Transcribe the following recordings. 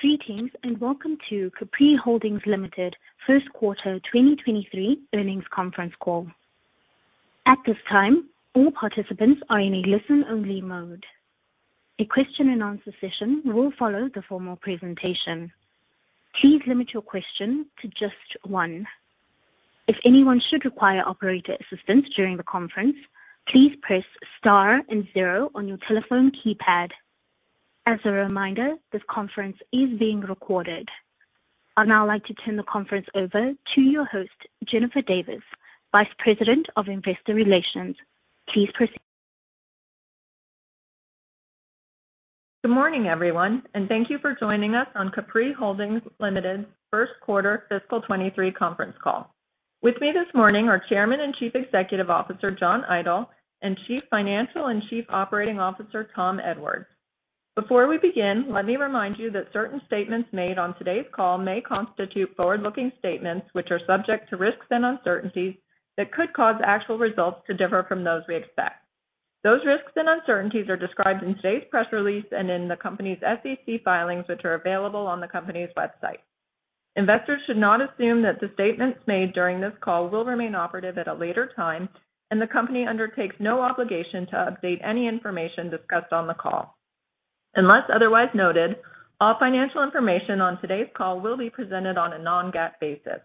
Greetings, and welcome to Capri Holdings Limited first quarter 2023 earnings conference call. At this time, all participants are in a listen-only mode. A question-and-answer session will follow the formal presentation. Please limit your question to just one. If anyone should require operator assistance during the conference, please press star and zero on your telephone keypad. As a reminder, this conference is being recorded. I'd now like to turn the conference over to your host, Jennifer Davis, Vice President of Investor Relations. Please proceed. Good morning, everyone, and thank you for joining us on Capri Holdings Limited first quarter fiscal 2023 conference call. With me this morning are Chairman and Chief Executive Officer, John Idol, and Chief Financial and Chief Operating Officer, Tom Edwards. Before we begin, let me remind you that certain statements made on today's call may constitute forward-looking statements, which are subject to risks and uncertainties that could cause actual results to differ from those we expect. Those risks and uncertainties are described in today's press release and in the company's SEC filings, which are available on the company's website. Investors should not assume that the statements made during this call will remain operative at a later time, and the company undertakes no obligation to update any information discussed on the call. Unless otherwise noted, all financial information on today's call will be presented on a non-GAAP basis.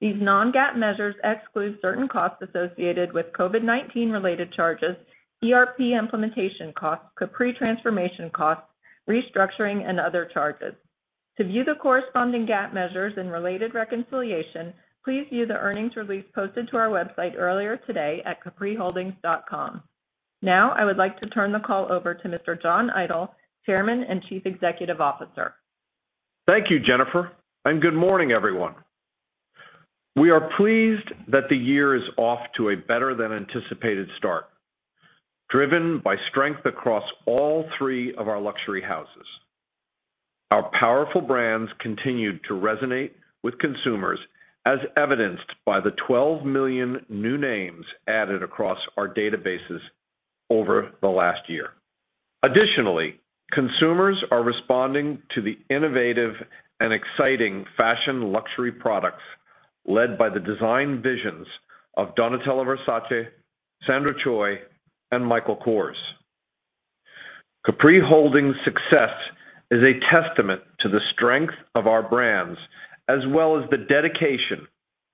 These non-GAAP measures exclude certain costs associated with COVID-19 related charges, ERP implementation costs, Capri transformation costs, restructuring and other charges. To view the corresponding GAAP measures and related reconciliation, please view the earnings release posted to our website earlier today at capriholdings.com. Now, I would like to turn the call over to Mr. John Idol, Chairman and Chief Executive Officer. Thank you, Jennifer, and good morning, everyone. We are pleased that the year is off to a better than anticipated start, driven by strength across all three of our luxury houses. Our powerful brands continued to resonate with consumers, as evidenced by the 12 million new names added across our databases over the last year. Additionally, consumers are responding to the innovative and exciting fashion luxury products led by the design visions of Donatella Versace, Sandra Choi, and Michael Kors. Capri Holdings' success is a testament to the strength of our brands as well as the dedication,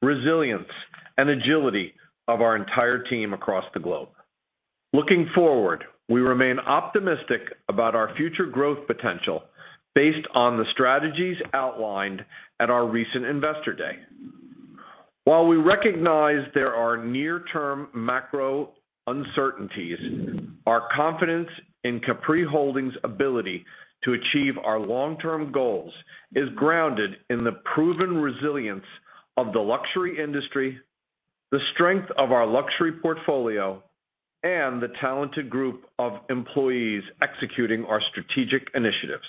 resilience, and agility of our entire team across the globe. Looking forward, we remain optimistic about our future growth potential based on the strategies outlined at our recent Investor Day. While we recognize there are near-term macro uncertainties, our confidence in Capri Holdings ability to achieve our long-term goals is grounded in the proven resilience of the luxury industry, the strength of our luxury portfolio, and the talented group of employees executing our strategic initiatives.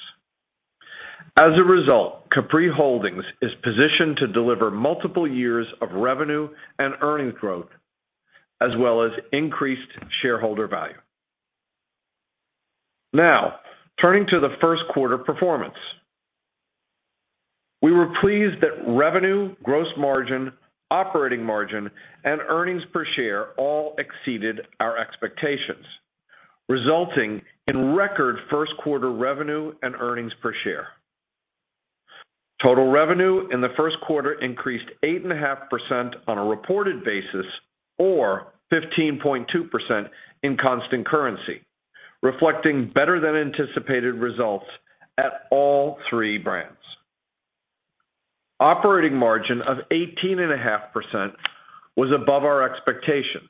As a result, Capri Holdings is positioned to deliver multiple years of revenue and earnings growth, as well as increased shareholder value. Now, turning to the first quarter performance. We were pleased that revenue, gross margin, operating margin, and earnings per share all exceeded our expectations, resulting in record first quarter revenue and earnings per share. Total revenue in the first quarter increased 8.5% on a reported basis or 15.2% in constant currency, reflecting better than anticipated results at all three brands. Operating margin of 18.5% was above our expectations.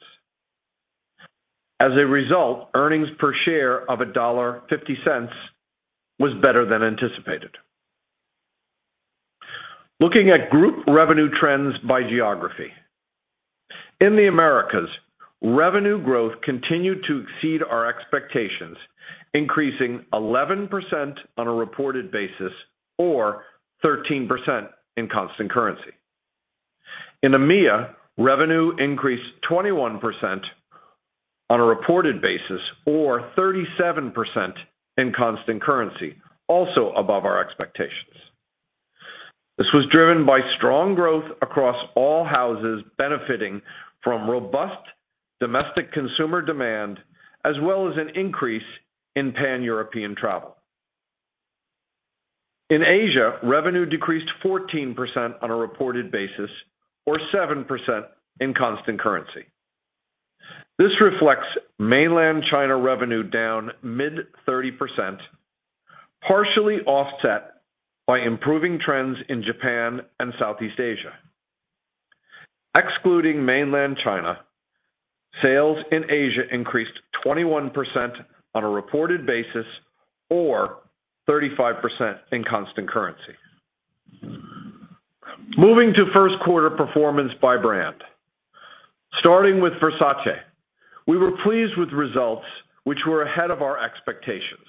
As a result, earnings per share of $1.50 was better than anticipated. Looking at group revenue trends by geography. In the Americas, revenue growth continued to exceed our expectations, increasing 11% on a reported basis or 13% in constant currency. In EMEA, revenue increased 21% on a reported basis or 37% in constant currency, also above our expectations. This was driven by strong growth across all houses benefiting from robust domestic consumer demand as well as an increase in Pan-European travel. In Asia, revenue decreased 14% on a reported basis or 7% in constant currency. This reflects Mainland China revenue down mid-30%, partially offset by improving trends in Japan and Southeast Asia. Excluding Mainland China, sales in Asia increased 21% on a reported basis or 35% in constant currency. Moving to first quarter performance by brand. Starting with Versace, we were pleased with results which were ahead of our expectations.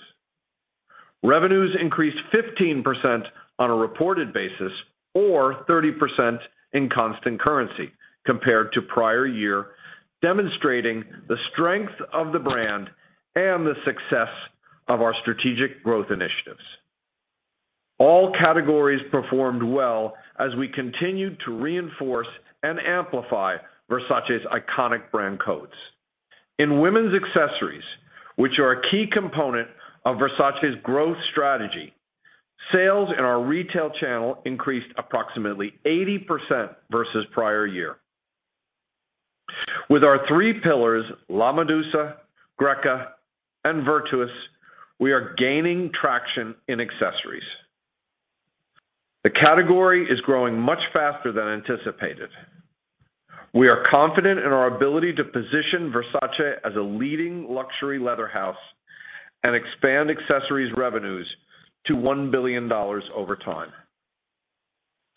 Revenues increased 15% on a reported basis or 30% in constant currency compared to prior year. Demonstrating the strength of the brand and the success of our strategic growth initiatives. All categories performed well as we continued to reinforce and amplify Versace's iconic brand codes. In women's accessories, which are a key component of Versace's growth strategy, sales in our retail channel increased approximately 80% versus prior year. With our three pillars, La Medusa, Greca, and Virtus, we are gaining traction in accessories. The category is growing much faster than anticipated. We are confident in our ability to position Versace as a leading luxury leather house and expand accessories revenues to $1 billion over time.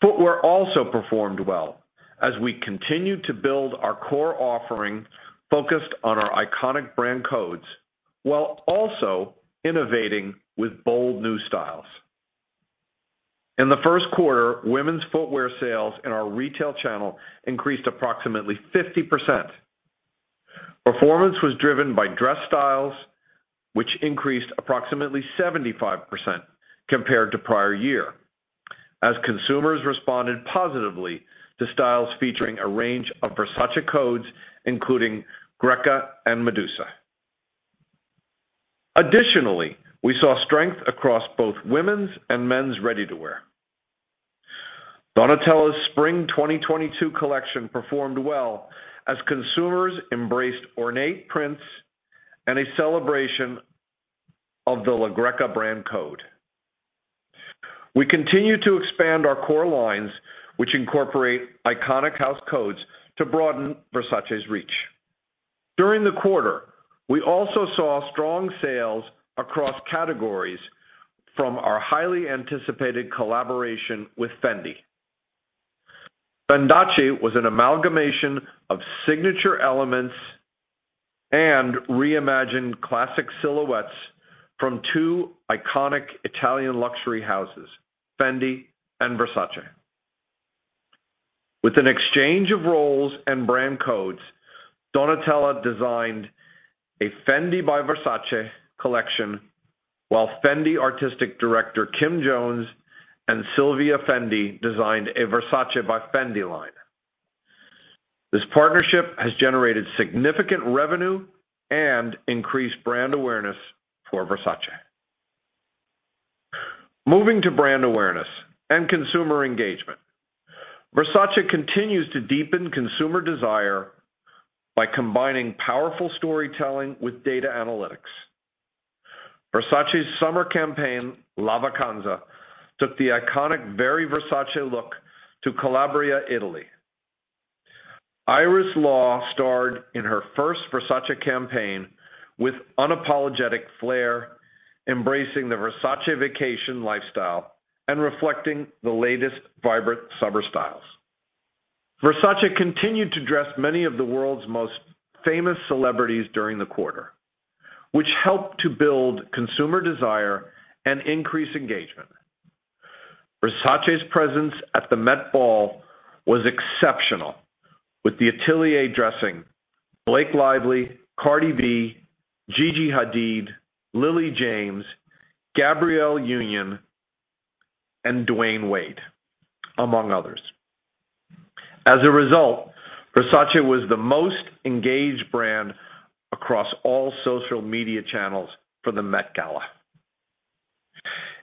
Footwear also performed well as we continued to build our core offering focused on our iconic brand codes, while also innovating with bold new styles. In the first quarter, women's footwear sales in our retail channel increased approximately 50%. Performance was driven by dress styles, which increased approximately 75% compared to prior year as consumers responded positively to styles featuring a range of Versace codes, including Greca and Medusa. Additionally, we saw strength across both women's and men's ready-to-wear. Donatella's Spring 2022 collection performed well as consumers embraced ornate prints and a celebration of the La Greca brand code. We continue to expand our core lines, which incorporate iconic house codes to broaden Versace's reach. During the quarter, we also saw strong sales across categories from our highly anticipated collaboration with Fendi. Fendace was an amalgamation of signature elements and reimagined classic silhouettes from two iconic Italian luxury houses, Fendi and Versace. With an exchange of roles and brand codes, Donatella designed a Fendi by Versace collection, while Fendi artistic director Kim Jones and Silvia Fendi designed a Versace by Fendi line. This partnership has generated significant revenue and increased brand awareness for Versace. Moving to brand awareness and consumer engagement. Versace continues to deepen consumer desire by combining powerful storytelling with data analytics. Versace's summer campaign, La Vacanza, took the iconic Very Versace look to Calabria, Italy. Iris Law starred in her first Versace campaign with unapologetic flair, embracing the Versace vacation lifestyle and reflecting the latest vibrant summer styles. Versace continued to dress many of the world's most famous celebrities during the quarter, which helped to build consumer desire and increase engagement. Versace's presence at the Met Gala was exceptional, with the Atelier dressing Blake Lively, Cardi B, Gigi Hadid, Lily James, Gabrielle Union, and Dwyane Wade, among others. As a result, Versace was the most engaged brand across all social media channels for the Met Gala.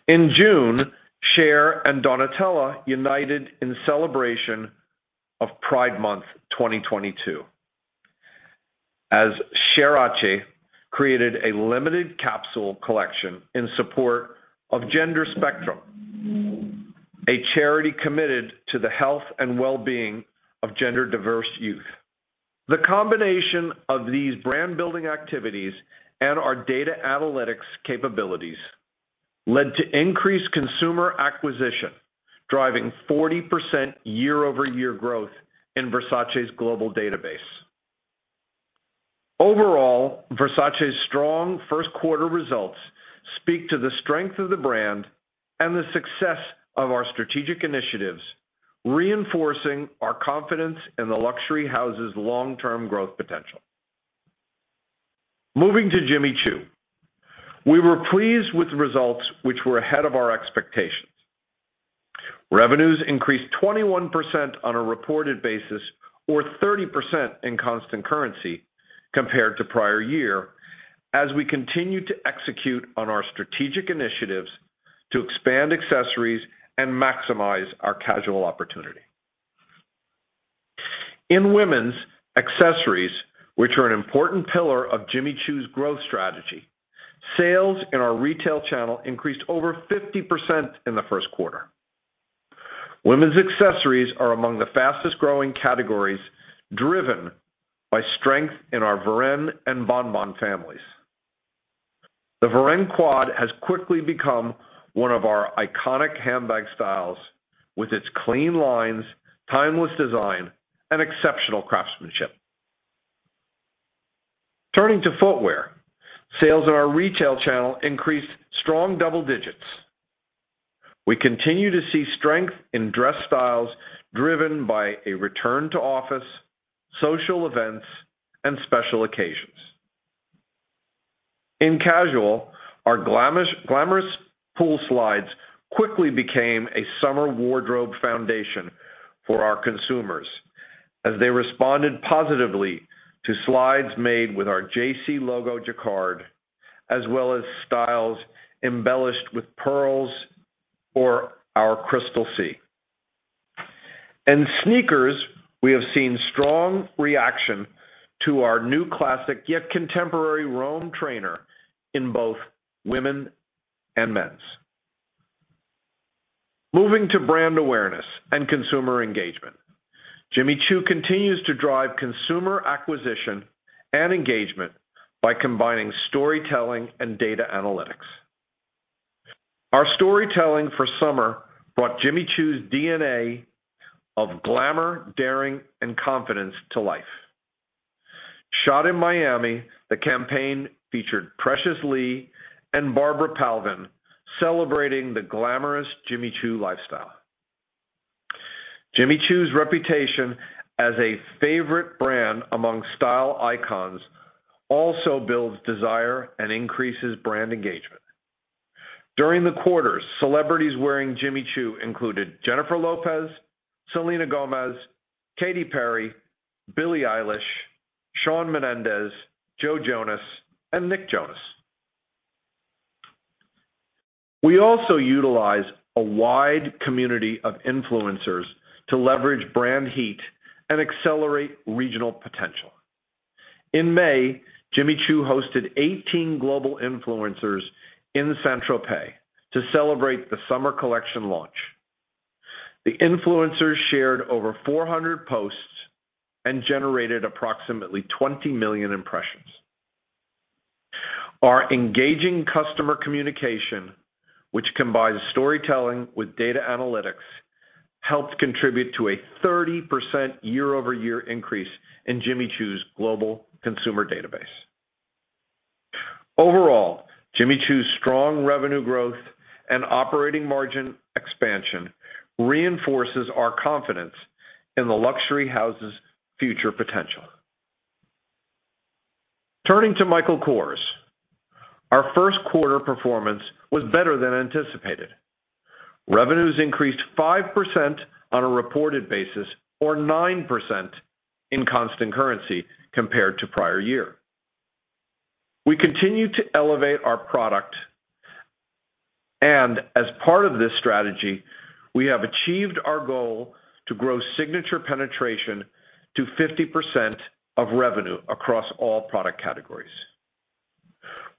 In June 2022, Cher and Donatella united in celebration of Pride Month, as Chersace created a limited capsule collection in support of Gender Spectrum, a charity committed to the health and well-being of gender-diverse youth. The combination of these brand-building activities and our data analytics capabilities led to increased consumer acquisition, driving 40% year-over-year growth in Versace's global database. Overall, Versace's strong first quarter results speak to the strength of the brand and the success of our strategic initiatives, reinforcing our confidence in the luxury house's long-term growth potential. Moving to Jimmy Choo, we were pleased with the results which were ahead of our expectations. Revenues increased 21% on a reported basis or 30% in constant currency compared to prior year as we continued to execute on our strategic initiatives to expand accessories and maximize our casual opportunity. In women's accessories, which are an important pillar of Jimmy Choo's growth strategy, sales in our retail channel increased over 50% in the first quarter. Women's accessories are among the fastest-growing categories driven by strength in our Varenne and Bon Bon families. The Varenne Quad has quickly become one of our iconic handbag styles with its clean lines, timeless design, and exceptional craftsmanship. Turning to footwear, sales in our retail channel increased strong double digits. We continue to see strength in dress styles driven by a return to office, social events, and special occasions. In casual, our glamorous pool slides quickly became a summer wardrobe foundation for our consumers as they responded positively to slides made with our JC logo jacquard, as well as styles embellished with pearls or our crystal C. In sneakers, we have seen strong reaction to our new classic yet contemporary Rome trainer in both women and men's. Moving to brand awareness and consumer engagement. Jimmy Choo continues to drive consumer acquisition and engagement by combining storytelling and data analytics. Our storytelling for summer brought Jimmy Choo's DNA of glamour, daring, and confidence to life. Shot in Miami, the campaign featured Precious Lee and Barbara Palvin celebrating the glamorous Jimmy Choo lifestyle. Jimmy Choo's reputation as a favorite brand among style icons also builds desire and increases brand engagement. During the quarter, celebrities wearing Jimmy Choo included Jennifer Lopez, Selena Gomez, Katy Perry, Billie Eilish, Shawn Mendes, Joe Jonas, and Nick Jonas. We also utilize a wide community of influencers to leverage brand heat and accelerate regional potential. In May, Jimmy Choo hosted 18 global influencers in Saint-Tropez to celebrate the summer collection launch. The influencers shared over 400 posts and generated approximately 20 million impressions. Our engaging customer communication, which combines storytelling with data analytics, helped contribute to a 30% year-over-year increase in Jimmy Choo's global consumer database. Overall, Jimmy Choo's strong revenue growth and operating margin expansion reinforces our confidence in the luxury house's future potential. Turning to Michael Kors. Our first quarter performance was better than anticipated. Revenues increased 5% on a reported basis or 9% in constant currency compared to prior year. We continue to elevate our product, and as part of this strategy, we have achieved our goal to grow signature penetration to 50% of revenue across all product categories.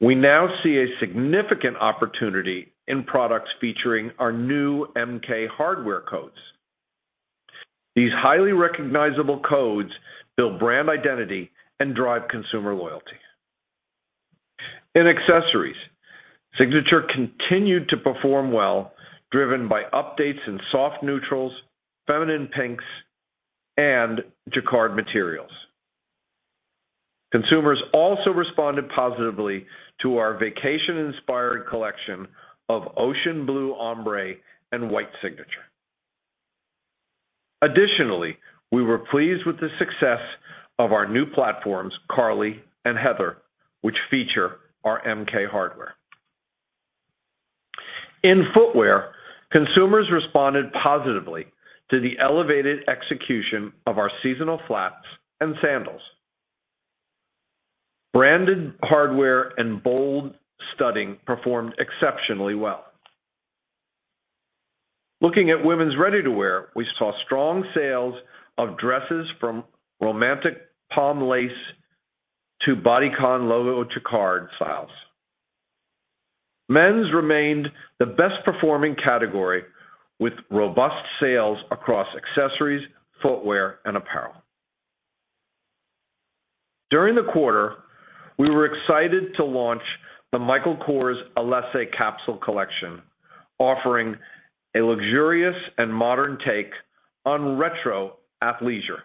We now see a significant opportunity in products featuring our new MK hardware codes. These highly recognizable codes build brand identity and drive consumer loyalty. In accessories, signature continued to perform well, driven by updates in soft neutrals, feminine pinks, and jacquard materials. Consumers also responded positively to our vacation-inspired collection of ocean blue ombre and white signature. Additionally, we were pleased with the success of our new platforms, Carly and Heather, which feature our MK hardware. In footwear, consumers responded positively to the elevated execution of our seasonal flats and sandals. Branded hardware and bold studding performed exceptionally well. Looking at women's ready-to-wear, we saw strong sales of dresses from romantic palm lace to bodycon logo jacquard styles. Men's remained the best-performing category with robust sales across accessories, footwear, and apparel. During the quarter, we were excited to launch the Michael Kors ellesse capsule collection, offering a luxurious and modern take on retro athleisure.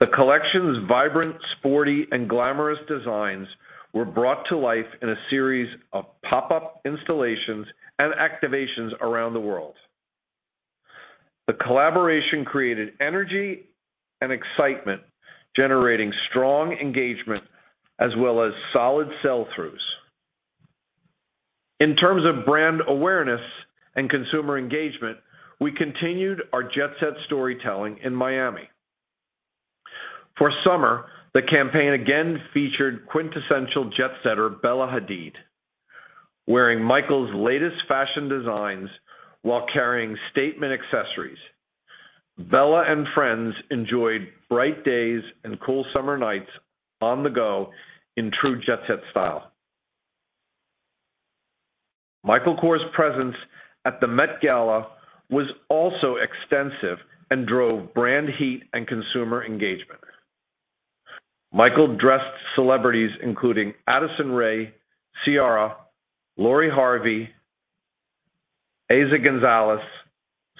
The collection's vibrant, sporty, and glamorous designs were brought to life in a series of pop-up installations and activations around the world. The collaboration created energy and excitement, generating strong engagement as well as solid sell-throughs. In terms of brand awareness and consumer engagement, we continued our jet-set storytelling in Miami. For summer, the campaign again featured quintessential jet-setter Bella Hadid. Wearing Michael's latest fashion designs while carrying statement accessories, Bella and friends enjoyed bright days and cool summer nights on the go in true jet-set style. Michael Kors' presence at the Met Gala was also extensive and drove brand heat and consumer engagement. Michael dressed celebrities including Addison Rae, Ciara, Lori Harvey, Eiza González,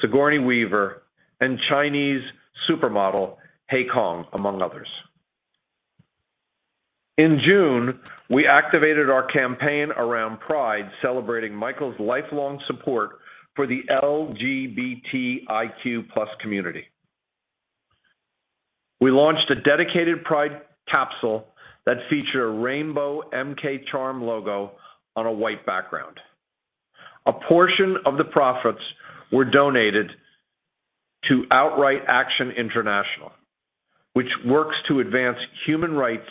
Sigourney Weaver, and Chinese supermodel He Cong, among others. In June, we activated our campaign around Pride, celebrating Michael's lifelong support for the LGBTIQ+ community. We launched a dedicated Pride capsule that feature a rainbow MK charm logo on a white background. A portion of the profits were donated to OutRight Action International, which works to advance human rights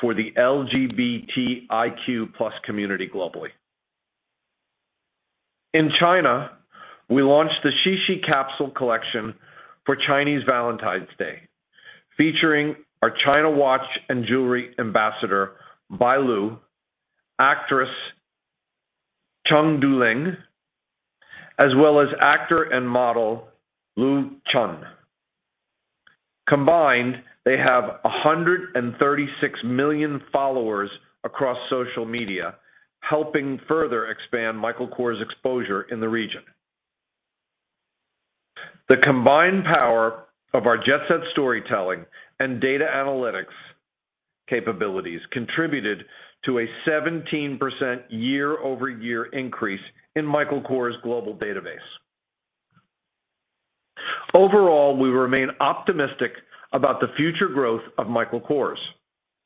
for the LGBTIQ+ community globally. In China, we launched the Qixi capsule collection for Chinese Valentine's Day, featuring our China watch and jewelry ambassador, Bai Lu, actress Chen Duling, as well as actor and model Liu Haoran. Combined, they have 136 million followers across social media, helping further expand Michael Kors exposure in the region. The combined power of our jet-set storytelling and data analytics capabilities contributed to a 17% year-over-year increase in Michael Kors global database. Overall, we remain optimistic about the future growth of Michael Kors.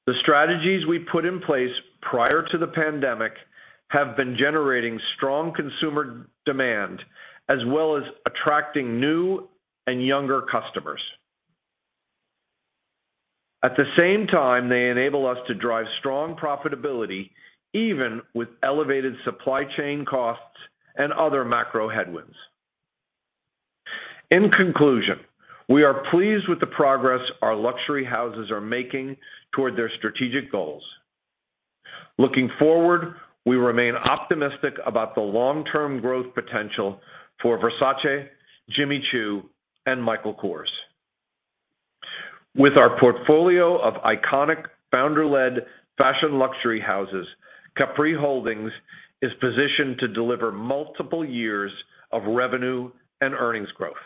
The strategies we put in place prior to the pandemic have been generating strong consumer demand, as well as attracting new and younger customers. At the same time, they enable us to drive strong profitability, even with elevated supply chain costs and other macro headwinds. In conclusion, we are pleased with the progress our luxury houses are making toward their strategic goals. Looking forward, we remain optimistic about the long-term growth potential for Versace, Jimmy Choo, and Michael Kors. With our portfolio of iconic founder-led fashion luxury houses, Capri Holdings is positioned to deliver multiple years of revenue and earnings growth.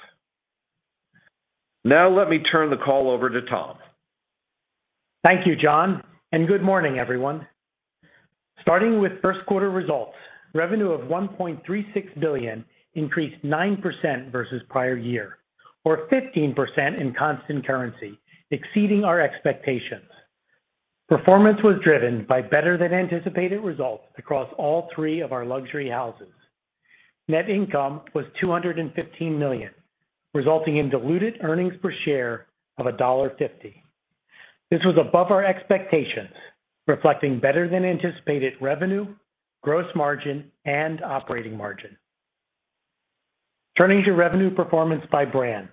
Now let me turn the call over to Tom Edwards. Thank you, John, and good morning, everyone. Starting with first quarter results, revenue of $1.36 billion increased 9% versus prior year or 15% in constant currency, exceeding our expectations. Performance was driven by better than anticipated results across all three of our luxury houses. Net income was $215 million, resulting in diluted earnings per share of $1.50. This was above our expectations, reflecting better than anticipated revenue, gross margin, and operating margin. Turning to revenue performance by brand.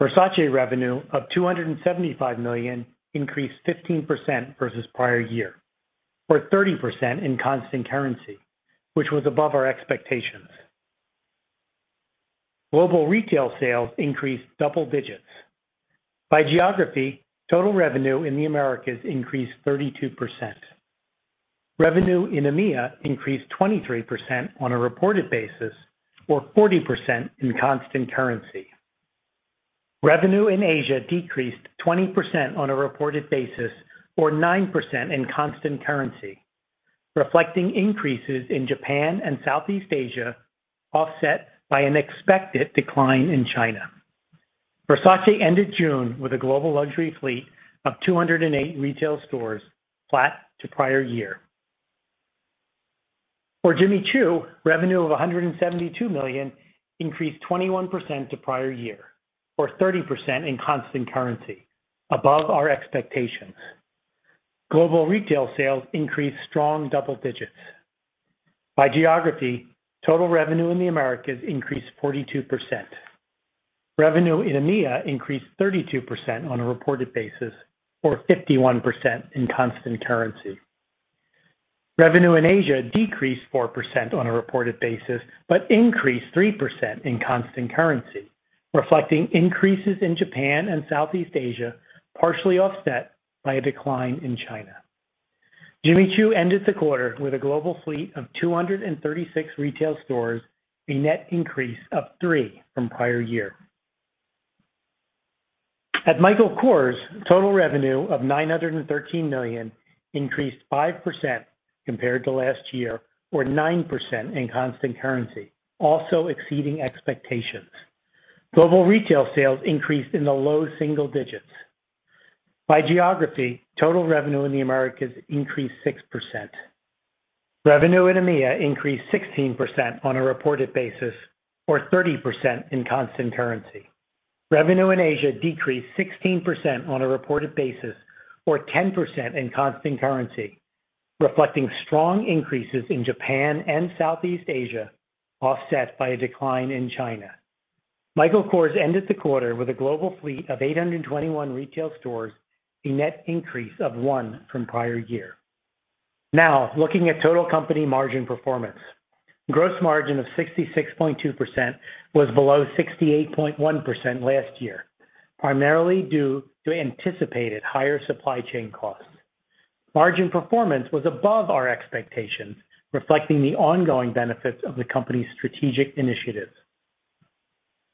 Versace revenue of $275 million increased 15% versus prior year, or 30% in constant currency, which was above our expectations. Global retail sales increased double digits. By geography, total revenue in the Americas increased 32%. Revenue in EMEA increased 23% on a reported basis, or 40% in constant currency. Revenue in Asia decreased 20% on a reported basis, or 9% in constant currency, reflecting increases in Japan and Southeast Asia, offset by an expected decline in China. Versace ended June with a global luxury fleet of 208 retail stores, flat to prior year. For Jimmy Choo, revenue of $172 million increased 21% to prior year or 30% in constant currency above our expectations. Global retail sales increased strong double digits. By geography, total revenue in the Americas increased 42%. Revenue in EMEA increased 32% on a reported basis, or 51% in constant currency. Revenue in Asia decreased 4% on a reported basis, but increased 3% in constant currency, reflecting increases in Japan and Southeast Asia, partially offset by a decline in China. Jimmy Choo ended the quarter with a global fleet of 236 retail stores, a net increase of three from prior year. At Michael Kors, total revenue of $913 million increased 5% compared to last year, or 9% in constant currency, also exceeding expectations. Global retail sales increased in the low single digits. By geography, total revenue in the Americas increased 6%. Revenue in EMEA increased 16% on a reported basis or 30% in constant currency. Revenue in Asia decreased 16% on a reported basis or 10% in constant currency, reflecting strong increases in Japan and Southeast Asia, offset by a decline in China. Michael Kors ended the quarter with a global fleet of 821 retail stores, a net increase of one from prior year. Now, looking at total company margin performance. Gross margin of 66.2% was below 68.1% last year, primarily due to anticipated higher supply chain costs. Margin performance was above our expectations, reflecting the ongoing benefits of the company's strategic initiatives.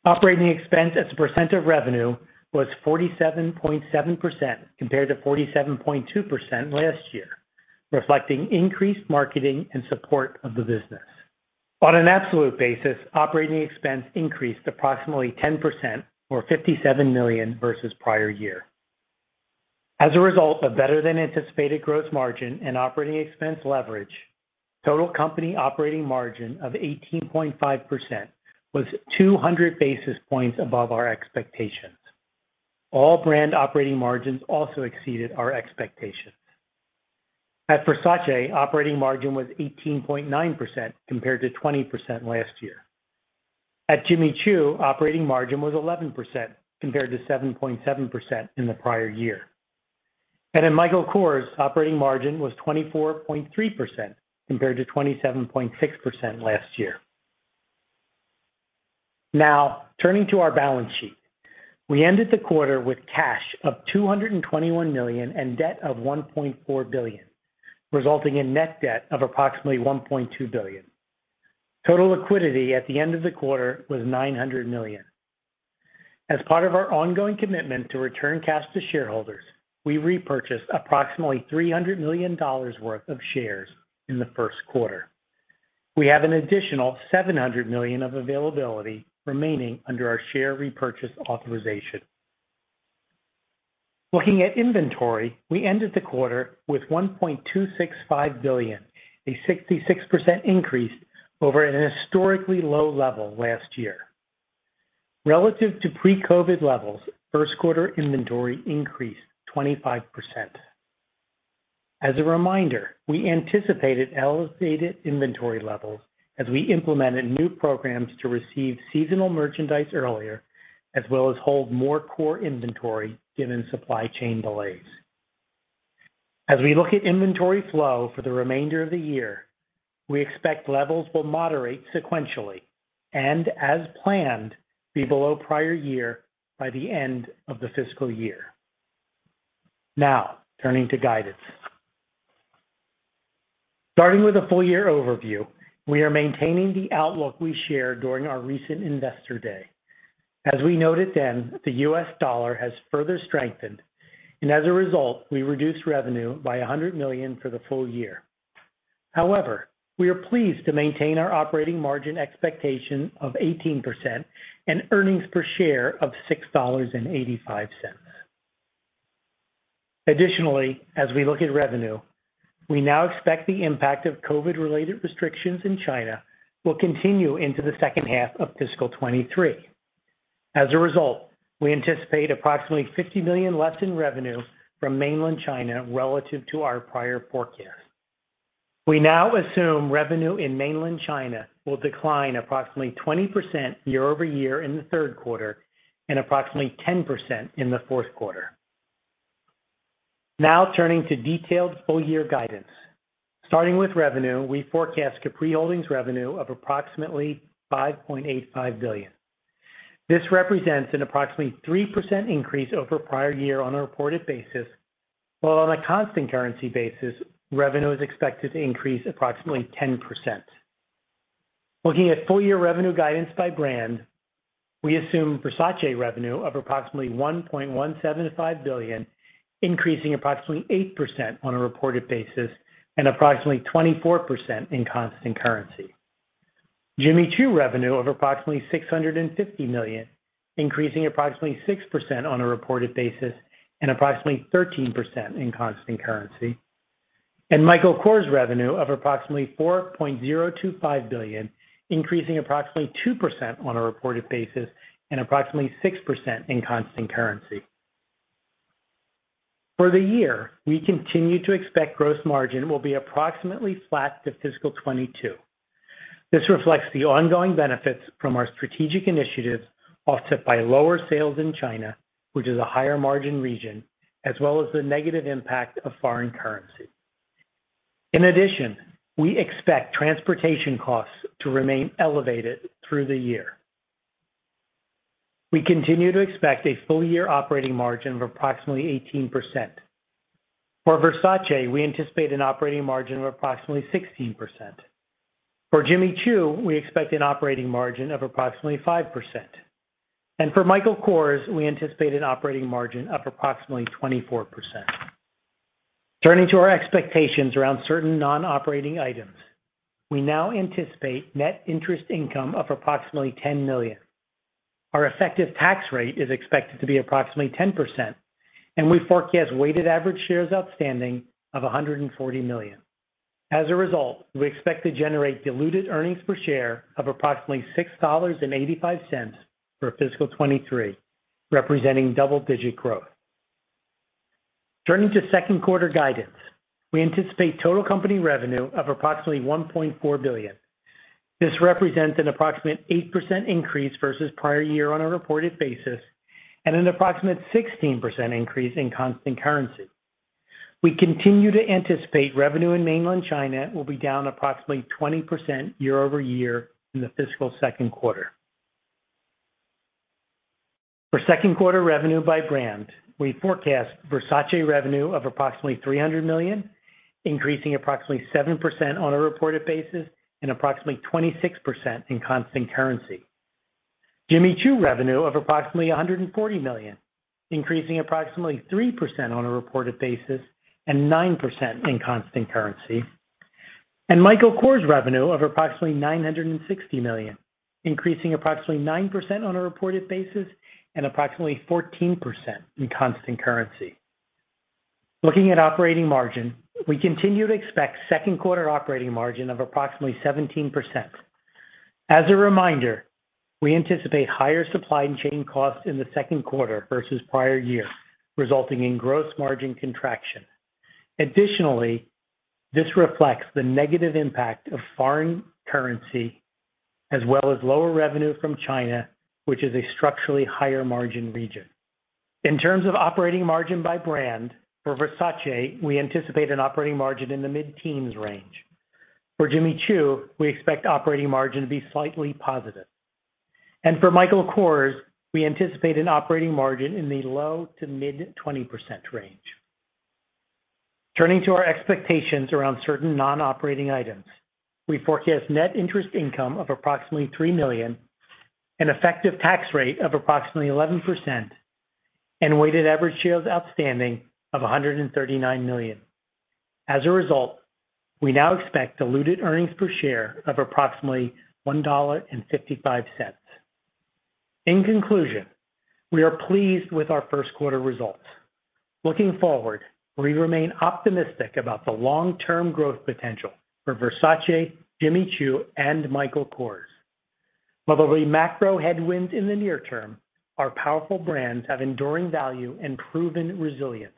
Operating expense as a percent of revenue was 47.7% compared to 47.2% last year, reflecting increased marketing in support of the business. On an absolute basis, operating expense increased approximately 10% or $57 million versus prior year. As a result of better than anticipated gross margin and operating expense leverage, total company operating margin of 18.5% was 200 basis points above our expectations. All brand operating margins also exceeded our expectations. At Versace, operating margin was 18.9% compared to 20% last year. At Jimmy Choo, operating margin was 11% compared to 7.7% in the prior year. At Michael Kors, operating margin was 24.3% compared to 27.6% last year. Now turning to our balance sheet. We ended the quarter with cash of $221 million and debt of $1.4 billion, resulting in net debt of approximately $1.2 billion. Total liquidity at the end of the quarter was $900 million. As part of our ongoing commitment to return cash to shareholders, we repurchased approximately $300 million worth of shares in the first quarter. We have an additional $700 million of availability remaining under our share repurchase authorization. Looking at inventory, we ended the quarter with $1.265 billion, a 66% increase over a historically low level last year. Relative to pre-COVID levels, first quarter inventory increased 25%. As a reminder, we anticipated elevated inventory levels as we implemented new programs to receive seasonal merchandise earlier, as well as hold more core inventory given supply chain delays. As we look at inventory flow for the remainder of the year, we expect levels will moderate sequentially and as planned, be below prior year by the end of the fiscal year. Now turning to guidance. Starting with a full-year overview, we are maintaining the outlook we shared during our recent investor day. As we noted then, the U.S. dollar has further strengthened and as a result, we reduced revenue by $100 million for the full year. However, we are pleased to maintain our operating margin expectation of 18% and earnings per share of $6.85. Additionally, as we look at revenue, we now expect the impact of COVID-related restrictions in China will continue into the second half of fiscal 2023. As a result, we anticipate approximately $50 million less in revenue from mainland China relative to our prior forecast. We now assume revenue in mainland China will decline approximately 20% year-over-year in the third quarter and approximately 10% in the fourth quarter. Now turning to detailed full-year guidance. Starting with revenue, we forecast Capri Holdings revenue of approximately $5.85 billion. This represents an approximately 3% increase over prior year on a reported basis, while on a constant currency basis, revenue is expected to increase approximately 10%. Looking at full year revenue guidance by brand, we assume Versace revenue of approximately $1.175 billion, increasing approximately 8% on a reported basis and approximately 24% in constant currency. Jimmy Choo revenue of approximately $650 million, increasing approximately 6% on a reported basis and approximately 13% in constant currency. Michael Kors revenue of approximately $4.025 billion, increasing approximately 2% on a reported basis and approximately 6% in constant currency. For the year, we continue to expect gross margin will be approximately flat to fiscal 2022. This reflects the ongoing benefits from our strategic initiatives, offset by lower sales in China, which is a higher margin region, as well as the negative impact of foreign currency. In addition, we expect transportation costs to remain elevated through the year. We continue to expect a full year operating margin of approximately 18%. For Versace, we anticipate an operating margin of approximately 16%. For Jimmy Choo, we expect an operating margin of approximately 5%. For Michael Kors, we anticipate an operating margin of approximately 24%. Turning to our expectations around certain non-operating items. We now anticipate net interest income of approximately $10 million. Our effective tax rate is expected to be approximately 10%, and we forecast weighted average shares outstanding of 140 million. As a result, we expect to generate diluted earnings per share of approximately $6.85 for fiscal 2023, representing double-digit growth. Turning to second quarter guidance. We anticipate total company revenue of approximately $1.4 billion. This represents an approximate 8% increase versus prior year on a reported basis and an approximate 16% increase in constant currency. We continue to anticipate revenue in mainland China will be down approximately 20% year-over-year in the fiscal second quarter. For second quarter revenue by brand, we forecast Versace revenue of approximately $300 million, increasing approximately 7% on a reported basis and approximately 26% in constant currency. Jimmy Choo revenue of approximately $140 million, increasing approximately 3% on a reported basis and 9% in constant currency. Michael Kors revenue of approximately $960 million, increasing approximately 9% on a reported basis and approximately 14% in constant currency. Looking at operating margin, we continue to expect second quarter operating margin of approximately 17%. As a reminder, we anticipate higher supply and chain costs in the second quarter versus prior year, resulting in gross margin contraction. Additionally, this reflects the negative impact of foreign currency as well as lower revenue from China, which is a structurally higher margin region. In terms of operating margin by brand, for Versace, we anticipate an operating margin in the mid-teens range. For Jimmy Choo, we expect operating margin to be slightly positive. For Michael Kors, we anticipate an operating margin in the low to mid-20% range. Turning to our expectations around certain non-operating items. We forecast net interest income of approximately $3 million, an effective tax rate of approximately 11%, and weighted average shares outstanding of 139 million. As a result, we now expect diluted earnings per share of approximately $1.55. In conclusion, we are pleased with our first quarter results. Looking forward, we remain optimistic about the long-term growth potential for Versace, Jimmy Choo, and Michael Kors. While there'll be macro headwinds in the near term, our powerful brands have enduring value and proven resilience,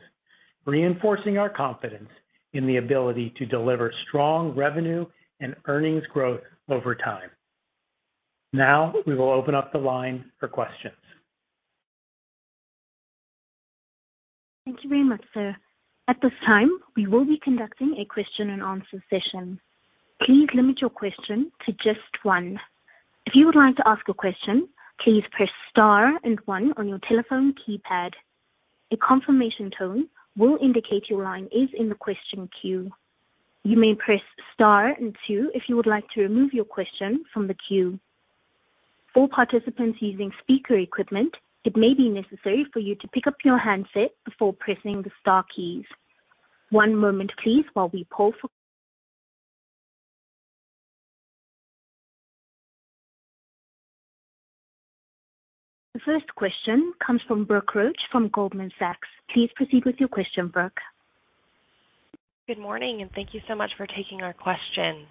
reinforcing our confidence in the ability to deliver strong revenue and earnings growth over time. Now, we will open up the line for questions. Thank you very much, sir. At this time, we will be conducting a question and answer session. Please limit your question to just one. If you would like to ask a question, please press star and one on your telephone keypad. A confirmation tone will indicate your line is in the question queue. You may press star and two if you would like to remove your question from the queue. For participants using speaker equipment, it may be necessary for you to pick up your handset before pressing the star keys. One moment, please, while we poll for questions. The first question comes from Brooke Roach from Goldman Sachs. Please proceed with your question, Brooke. Good morning, and thank you so much for taking our question.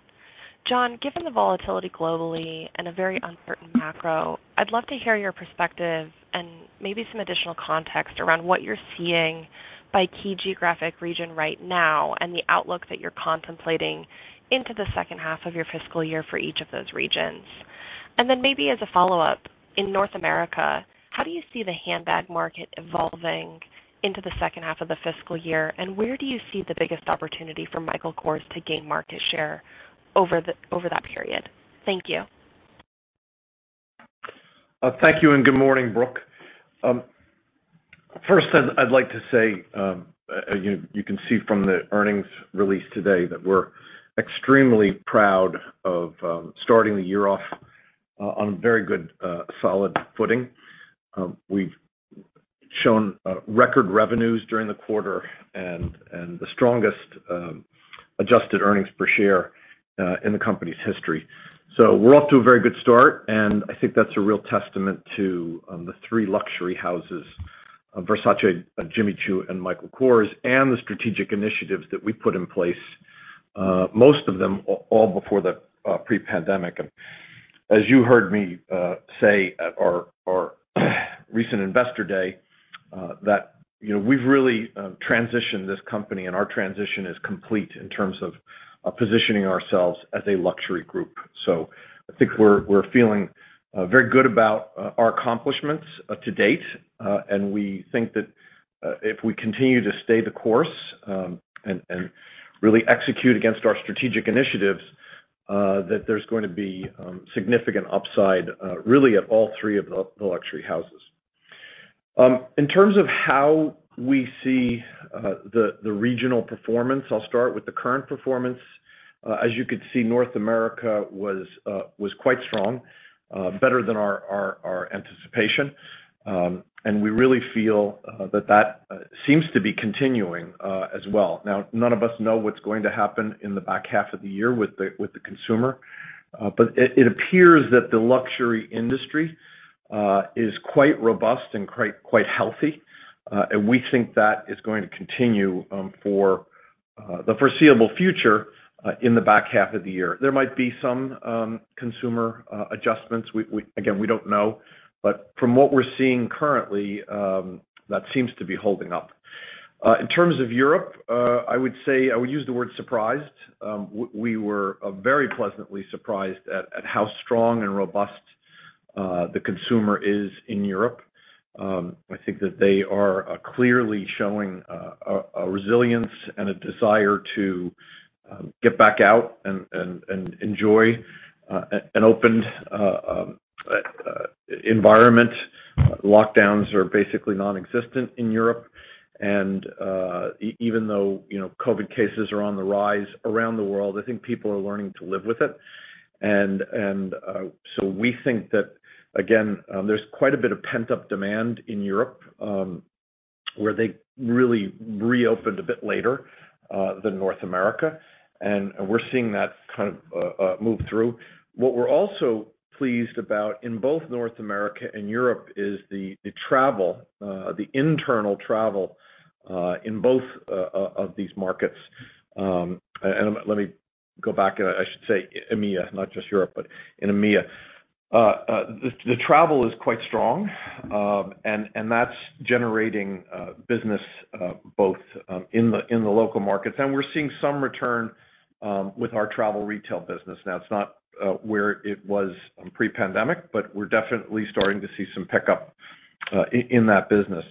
John, given the volatility globally and a very uncertain macro, I'd love to hear your perspective and maybe some additional context around what you're seeing by key geographic region right now and the outlook that you're contemplating into the second half of your fiscal year for each of those regions? Maybe as a follow-up, in North America, how do you see the handbag market evolving into the second half of the fiscal year? Where do you see the biggest opportunity for Michael Kors to gain market share over that period? Thank you. Thank you, and good morning, Brooke. First, I'd like to say, you can see from the earnings release today that we're extremely proud of starting the year off on very good, solid footing. We've shown record revenues during the quarter and the strongest adjusted earnings per share in the company's history. We're off to a very good start, and I think that's a real testament to the three luxury houses, Versace, Jimmy Choo, and Michael Kors, and the strategic initiatives that we put in place, most of them all before the pre-pandemic. As you heard me say at our recent Investor Day, that you know, we've really transitioned this company and our transition is complete in terms of positioning ourselves as a luxury group. I think we're feeling very good about our accomplishments to date. We think that if we continue to stay the course and really execute against our strategic initiatives, that there's going to be significant upside really at all three of the luxury houses. In terms of how we see the regional performance, I'll start with the current performance. As you could see, North America was quite strong, better than our anticipation. We really feel that that seems to be continuing as well. None of us know what's going to happen in the back half of the year with the consumer, but it appears that the luxury industry is quite robust and quite healthy. We think that is going to continue for the foreseeable future in the back half of the year. There might be some consumer adjustments. Again, we don't know. From what we're seeing currently, that seems to be holding up. In terms of Europe, I would say I would use the word surprised. We were very pleasantly surprised at how strong and robust the consumer is in Europe. I think that they are clearly showing a resilience and a desire to get back out and enjoy an opened environment. Lockdowns are basically non-existent in Europe. Even though, you know, COVID cases are on the rise around the world, I think people are learning to live with it. We think that, again, there's quite a bit of pent-up demand in Europe, where they really reopened a bit later than North America. We're seeing that kind of move through. What we're also pleased about in both North America and Europe is the travel, the internal travel, in both of these markets. Let me go back. I should say EMEA, not just Europe, but in EMEA. The travel is quite strong. That's generating business both in the local markets. We're seeing some return with our travel retail business. Now it's not where it was in pre-pandemic, but we're definitely starting to see some pickup in that business.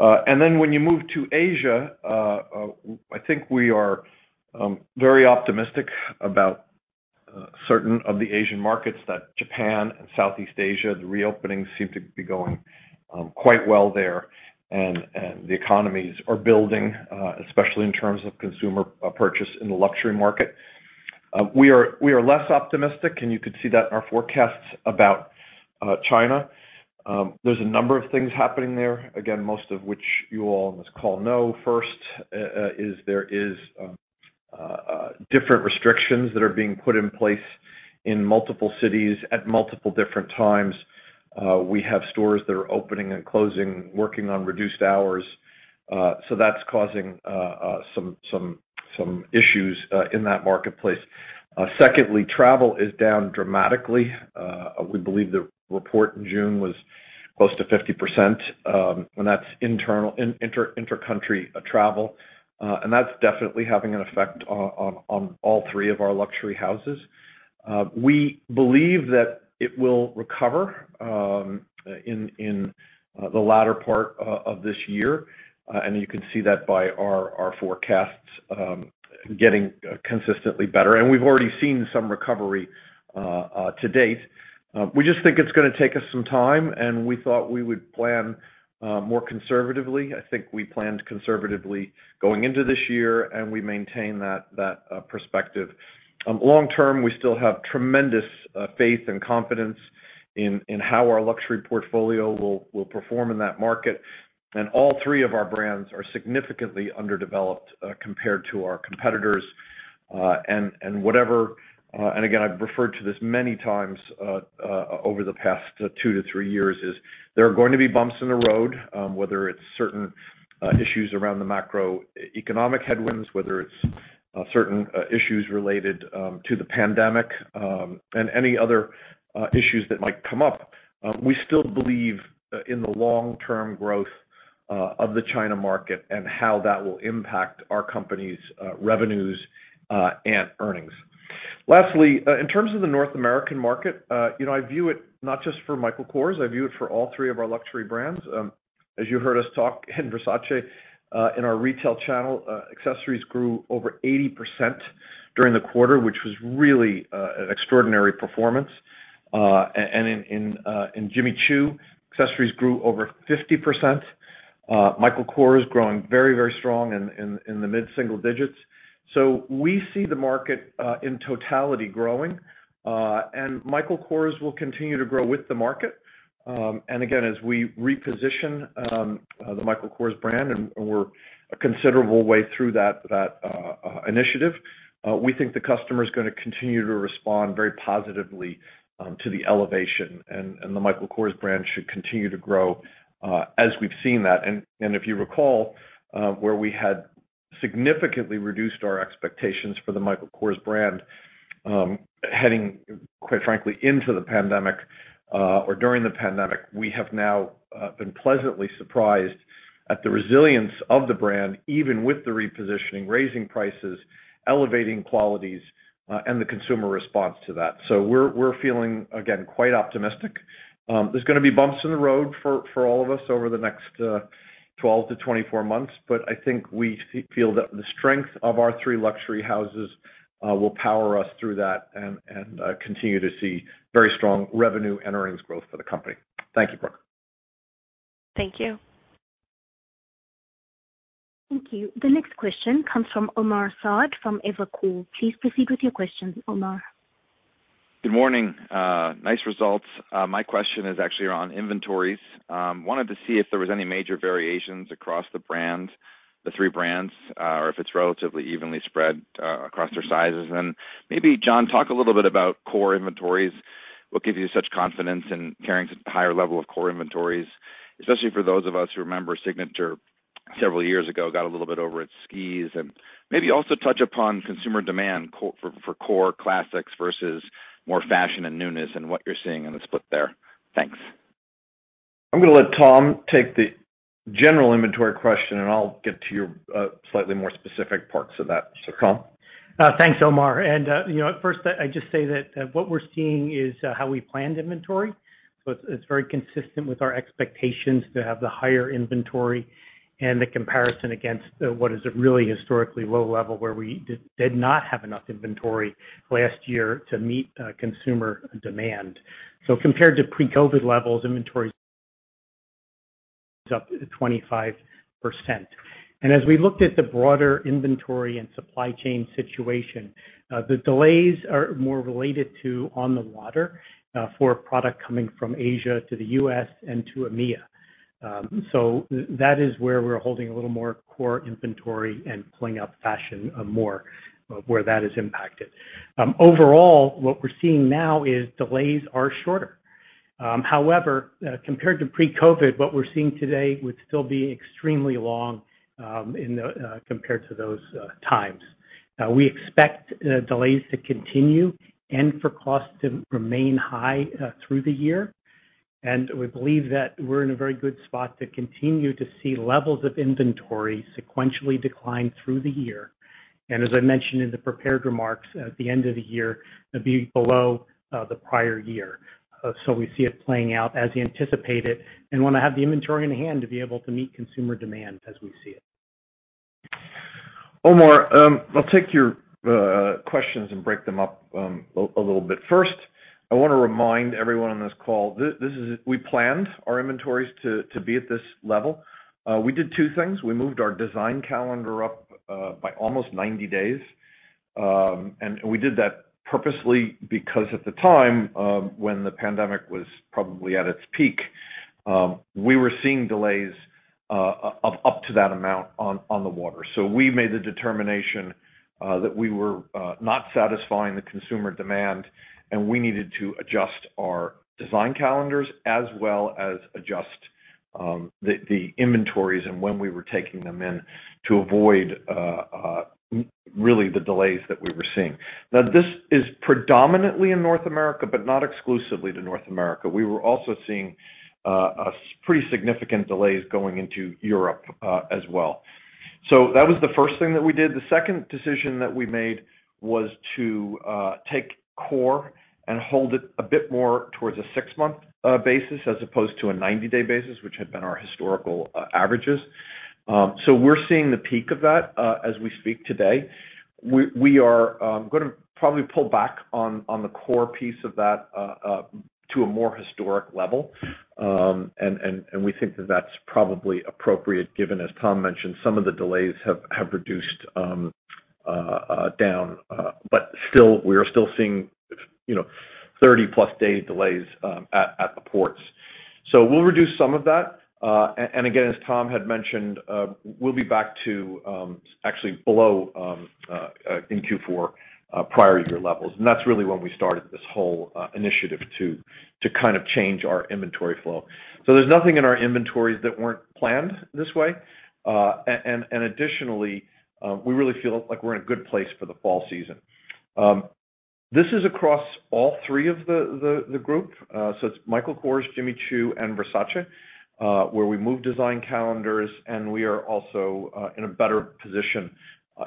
When you move to Asia, I think we are very optimistic about certain of the Asian markets, Japan and Southeast Asia. The reopenings seem to be going quite well there. The economies are building, especially in terms of consumer purchase in the luxury market. We are less optimistic, and you could see that in our forecasts about China. There's a number of things happening there, again, most of which you all on this call know. First, there are different restrictions that are being put in place in multiple cities at multiple different times. We have stores that are opening and closing, working on reduced hours. That's causing some issues in that marketplace. Secondly, travel is down dramatically. We believe the report in June was close to 50%, and that's intra-country travel. That's definitely having an effect on all three of our luxury houses. We believe that it will recover in the latter part of this year. You can see that by our forecasts getting consistently better. We've already seen some recovery to date. We just think it's gonna take us some time, and we thought we would plan more conservatively. I think we planned conservatively going into this year, and we maintain that perspective. Long term, we still have tremendous faith and confidence in how our luxury portfolio will perform in that market. All three of our brands are significantly underdeveloped compared to our competitors. Again, I've referred to this many times over the past two to three years. There are going to be bumps in the road, whether it's certain issues around the macroeconomic headwinds, whether it's certain issues related to the pandemic, and any other issues that might come up. We still believe in the long-term growth of the China market and how that will impact our company's revenues and earnings. Lastly, in terms of the North American market, you know, I view it not just for Michael Kors. I view it for all three of our luxury brands. As you heard us talk in Versace, in our retail channel, accessories grew over 80% during the quarter, which was really an extraordinary performance. In Jimmy Choo, accessories grew over 50%. Michael Kors growing very strong in the mid-single digits. We see the market in totality growing, and Michael Kors will continue to grow with the market. As we reposition the Michael Kors brand and we're a considerable way through that initiative, we think the customer is gonna continue to respond very positively to the elevation, and the Michael Kors brand should continue to grow as we've seen that. If you recall where we had significantly reduced our expectations for the Michael Kors brand, heading, quite frankly, into the pandemic or during the pandemic, we have now been pleasantly surprised at the resilience of the brand, even with the repositioning, raising prices, elevating qualities, and the consumer response to that. We're feeling, again, quite optimistic. There's gonna be bumps in the road for all of us over the next 12 months-24 months. I think we feel that the strength of our three luxury houses will power us through that and continue to see very strong revenue and earnings growth for the company. Thank you, Brooke. Thank you. Thank you. The next question comes from Omar Saad from Evercore. Please proceed with your question, Omar. Good morning. Nice results. My question is actually on inventories. Wanted to see if there was any major variations across the brands, the three brands, or if it's relatively evenly spread across their sizes. Maybe, John, talk a little bit about core inventories. What gives you such confidence in carrying such a higher level of core inventories, especially for those of us who remember Signature several years ago got a little bit over its skis. Maybe also touch upon consumer demand for core classics versus more fashion and newness and what you're seeing in the split there. Thanks. I'm gonna let Tom take the general inventory question, and I'll get to your slightly more specific parts of that. Tom. Thanks, Omar. You know, at first I just say that what we're seeing is how we planned inventory. It's very consistent with our expectations to have the higher inventory and the comparison against what is a really historically low level where we did not have enough inventory last year to meet consumer demand. Compared to pre-COVID levels, inventory is up 25%. As we looked at the broader inventory and supply chain situation, the delays are more related to on the water for a product coming from Asia to the U.S. and to EMEA. That is where we're holding a little more core inventory and pulling up fashion more where that is impacted. Overall, what we're seeing now is delays are shorter. However, compared to pre-COVID, what we're seeing today would still be extremely long, compared to those times. We expect delays to continue and for costs to remain high through the year. We believe that we're in a very good spot to continue to see levels of inventory sequentially decline through the year. As I mentioned in the prepared remarks, at the end of the year, it'll be below the prior year. We see it playing out as anticipated and wanna have the inventory in hand to be able to meet consumer demand as we see it. Omar, I'll take your questions and break them up a little bit. First, I wanna remind everyone on this call, we planned our inventories to be at this level. We did two things. We moved our design calendar up by almost 90 days. We did that purposely because at the time, when the pandemic was probably at its peak, we were seeing delays of up to that amount on the water. We made the determination that we were not satisfying the consumer demand, and we needed to adjust our design calendars as well as adjust the inventories and when we were taking them in to avoid really the delays that we were seeing. Now, this is predominantly in North America, but not exclusively to North America. We were also seeing a pretty significant delays going into Europe as well. That was the first thing that we did. The second decision that we made was to take core and hold it a bit more towards a six-month basis as opposed to a 90-day basis, which had been our historical averages. We're seeing the peak of that as we speak today. We are gonna probably pull back on the core piece of that to a more historic level. And we think that that's probably appropriate given, as Tom mentioned, some of the delays have reduced down, but still, we are still seeing, you know, 30+ day delays at the ports. We'll reduce some of that. Again, as Tom had mentioned, we'll be back to actually below in Q4 prior year levels. That's really when we started this whole initiative to kind of change our inventory flow. There's nothing in our inventories that weren't planned this way. Additionally, we really feel like we're in a good place for the fall season. This is across all three of the group. It's Michael Kors, Jimmy Choo, and Versace where we moved design calendars, and we are also in a better position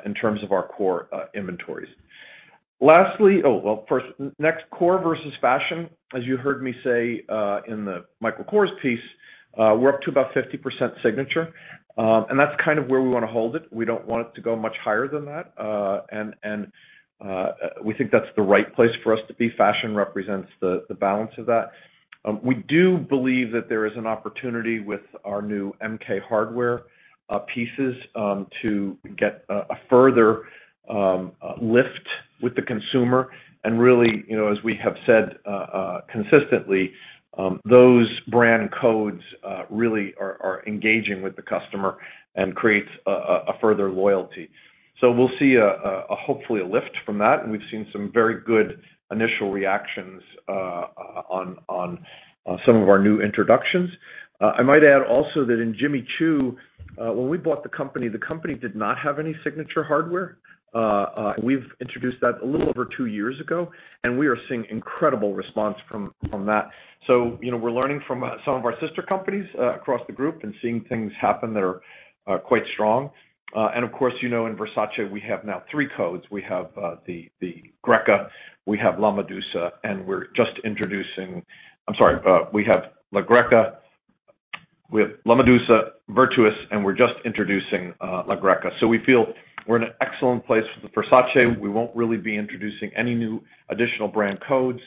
in terms of our core inventories. Core versus fashion, as you heard me say in the Michael Kors piece, we're up to about 50% signature, and that's kind of where we wanna hold it. We don't want it to go much higher than that. We think that's the right place for us to be. Fashion represents the balance of that. We do believe that there is an opportunity with our new MK hardware pieces to get a further lift with the consumer. Really, you know, as we have said consistently, those brand codes really are engaging with the customer and creates a further loyalty. We'll see hopefully a lift from that, and we've seen some very good initial reactions on some of our new introductions. I might add also that in Jimmy Choo, when we bought the company, the company did not have any signature hardware, and we've introduced that a little over two years ago, and we are seeing incredible response from that. You know, we're learning from some of our sister companies across the group and seeing things happen that are quite strong. Of course, you know, in Versace, we have now three codes. We have La Medusa, Virtus, and we're just introducing La Greca. We feel we're in an excellent place for Versace. We won't really be introducing any new additional brand codes,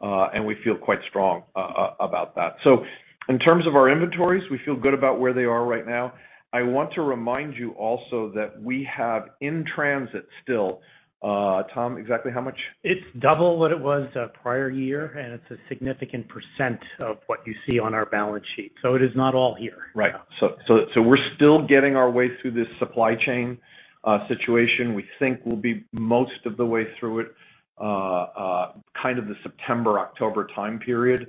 and we feel quite strong about that. In terms of our inventories, we feel good about where they are right now. I want to remind you also that we have in transit still, Tom, exactly how much? It's double what it was, prior year, and it's a significant percent of what you see on our balance sheet. It is not all here. Right. We're still working our way through this supply chain situation. We think we'll be most of the way through it, kind of the September-October time period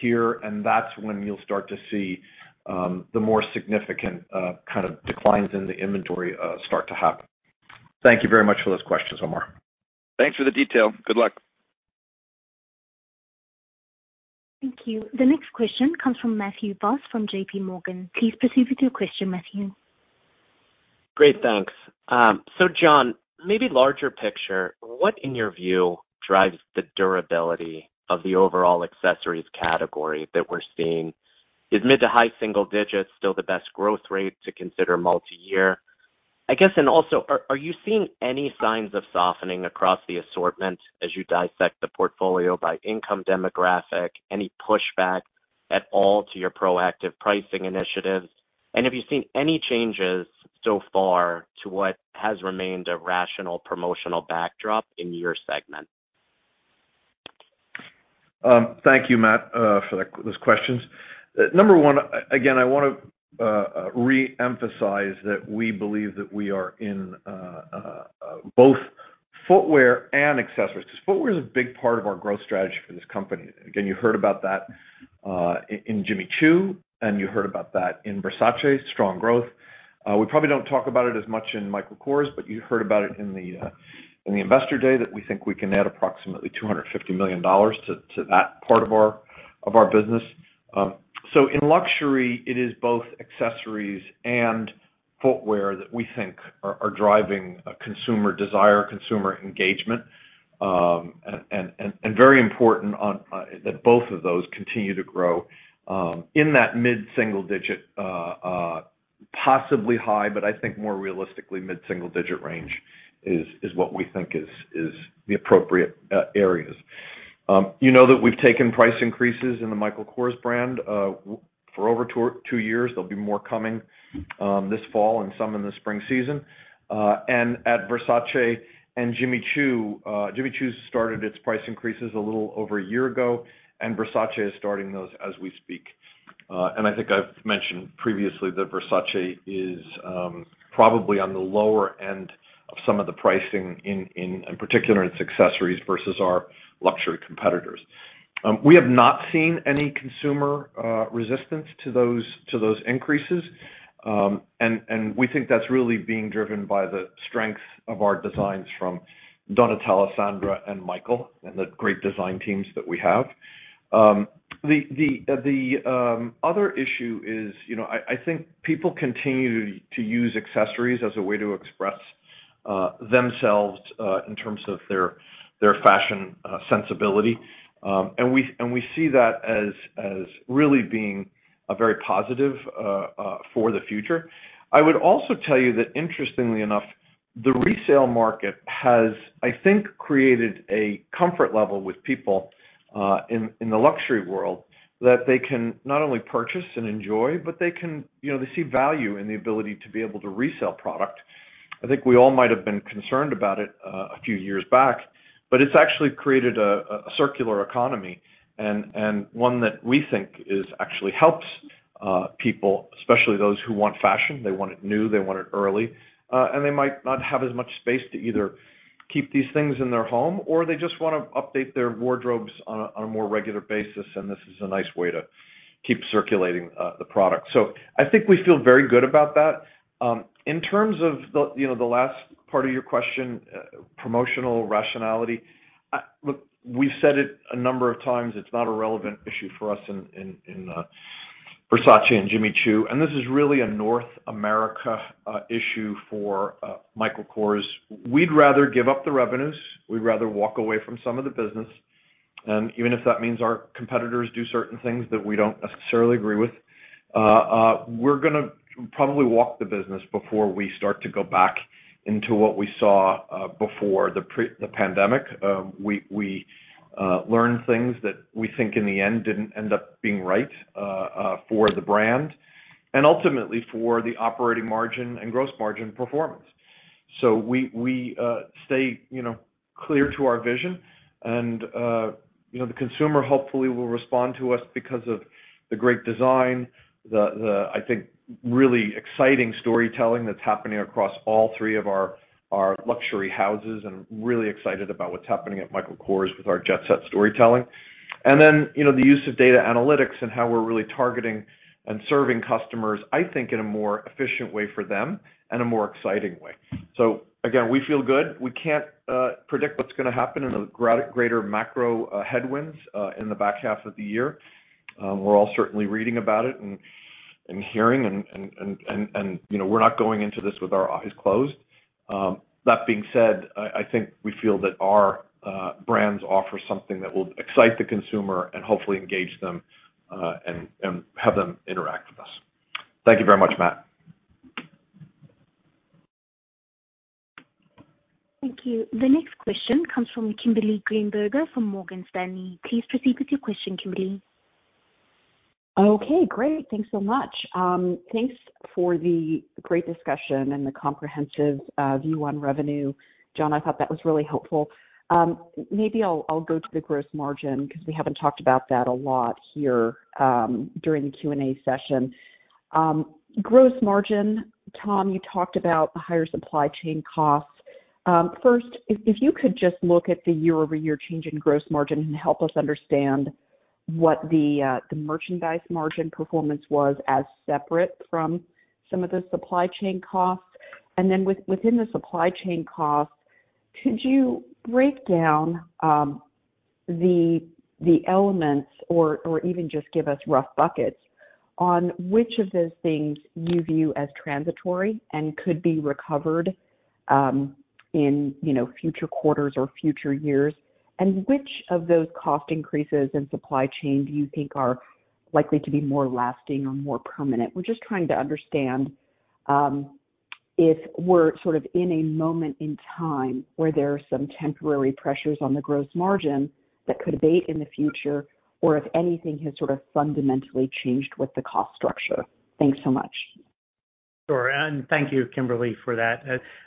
here, and that's when you'll start to see the more significant kind of declines in the inventory start to happen. Thank you very much for those questions, Omar. Thanks for the detail. Good luck. Thank you. The next question comes from Matthew Boss from JPMorgan. Please proceed with your question, Matthew. Great, thanks. John, maybe larger picture, what in your view drives the durability of the overall accessories category that we're seeing? Is mid- to high-single-digits still the best growth rate to consider multi-year? Also, are you seeing any signs of softening across the assortment as you dissect the portfolio by income demographic, any pushback at all to your proactive pricing initiatives? Have you seen any changes so far to what has remained a rational promotional backdrop in your segment? Thank you, Matt, for those questions. Number one, again, I wanna re-emphasize that we believe that we are in both footwear and accessories, 'cause footwear is a big part of our growth strategy for this company. Again, you heard about that in Jimmy Choo, and you heard about that in Versace, strong growth. We probably don't talk about it as much in Michael Kors, but you heard about it in the investor day that we think we can add approximately $250 million to that part of our business. So in luxury, it is both accessories and footwear that we think are driving a consumer desire, consumer engagement. Very important that both of those continue to grow in that mid-single digit, possibly high, but I think more realistically mid-single digit range is what we think is the appropriate areas. You know that we've taken price increases in the Michael Kors brand for over two years. There'll be more coming this fall and some in the spring season. At Versace and Jimmy Choo, Jimmy Choo started its price increases a little over a year ago, and Versace is starting those as we speak. I think I've mentioned previously that Versace is probably on the lower end of some of the pricing in particular its accessories versus our luxury competitors. We have not seen any consumer resistance to those increases. We think that's really being driven by the strength of our designs from Donatella, Sandra, and Michael and the great design teams that we have. The other issue is, you know, I think people continue to use accessories as a way to express themselves in terms of their fashion sensibility. We see that as really being a very positive for the future. I would also tell you that interestingly enough, the resale market has, I think, created a comfort level with people in the luxury world, that they can not only purchase and enjoy, but they can. You know, they see value in the ability to be able to resell product. I think we all might have been concerned about it, a few years back, but it's actually created a circular economy and one that we think actually helps people, especially those who want fashion. They want it new, they want it early, and they might not have as much space to either keep these things in their home, or they just wanna update their wardrobes on a more regular basis, and this is a nice way to keep circulating the product. I think we feel very good about that. In terms of the, you know, the last part of your question, promotional rationality. Look, we've said it a number of times. It's not a relevant issue for us in Versace and Jimmy Choo, and this is really a North American issue for Michael Kors. We'd rather give up the revenues. We'd rather walk away from some of the business, even if that means our competitors do certain things that we don't necessarily agree with. We're gonna probably walk away from the business before we start to go back into what we saw before the pandemic. We learned things that we think in the end didn't end up being right for the brand and ultimately for the operating margin and gross margin performance. We stay true to our vision and, you know, the consumer hopefully will respond to us because of the great design. I think really exciting storytelling that's happening across all three of our luxury houses and really excited about what's happening at Michael Kors with our jet set storytelling. You know, the use of data analytics and how we're really targeting and serving customers, I think in a more efficient way for them and a more exciting way. Again, we feel good. We can't predict what's gonna happen in the greater macro headwinds in the back half of the year. We're all certainly reading about it and, you know, we're not going into this with our eyes closed. That being said, I think we feel that our brands offer something that will excite the consumer and hopefully engage them, and have them interact with us. Thank you very much, Matt. Thank you. The next question comes from Kimberly Greenberger from Morgan Stanley. Please proceed with your question, Kimberly. Okay, great. Thanks so much. Thanks for the great discussion and the comprehensive view on revenue. John, I thought that was really helpful. Maybe I'll go to the gross margin because we haven't talked about that a lot here during the Q&A session. Gross margin. Tom, you talked about higher supply chain costs. First, if you could just look at the year-over-year change in gross margin and help us understand what was the merchandise margin performance as separate from some of the supply chain costs. Then within the supply chain costs, could you break down the elements or even just give us rough buckets on which of those things you view as transitory and could be recovered in you know, future quarters or future years? Which of those cost increases in supply chain do you think are likely to be more lasting or more permanent? We're just trying to understand if we're sort of in a moment in time where there are some temporary pressures on the gross margin that could abate in the future, or if anything has sort of fundamentally changed with the cost structure. Thanks so much. Sure. Thank you, Kimberly, for that.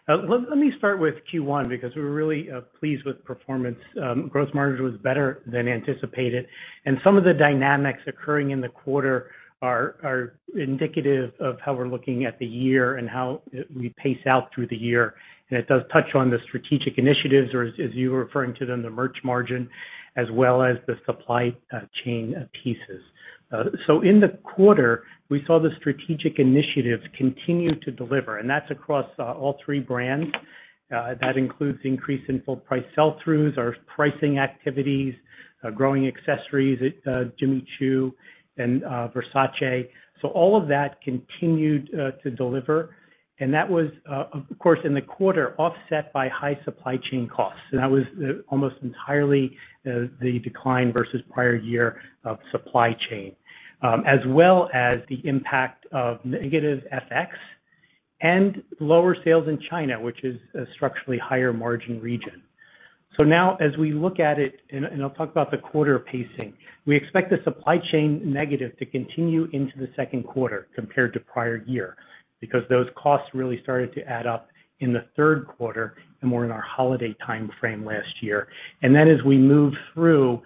Let me start with Q1 because we were really pleased with performance. Gross margin was better than anticipated, and some of the dynamics occurring in the quarter are indicative of how we're looking at the year and how we pace out through the year. It does touch on the strategic initiatives, or as you were referring to them, the merch margin, as well as the supply chain pieces. In the quarter, we saw the strategic initiatives continue to deliver, and that's across all three brands. That includes increase in full price sell-throughs, our pricing activities, growing accessories at Jimmy Choo and Versace. All of that continued to deliver, and that was, of course, in the quarter, offset by high supply chain costs. That was almost entirely the decline versus prior year of supply chain. As well as the impact of negative FX and lower sales in China, which is a structurally higher margin region. Now as we look at it, and I'll talk about the quarter pacing, we expect the supply chain negative to continue into the second quarter compared to prior year because those costs really started to add up in the third quarter and more in our holiday timeframe last year. As we move through,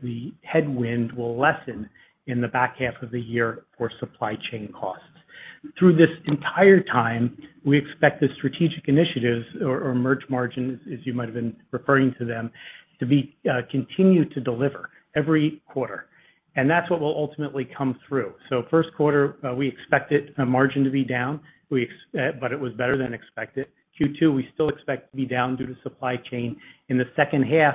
the headwind will lessen in the back half of the year for supply chain costs. Through this entire time, we expect the strategic initiatives or merch margins, as you might have been referring to them, to continue to deliver every quarter. That's what will ultimately come through. First quarter, we expected margin to be down. It was better than expected. Q2, we still expect to be down due to supply chain. In the second half,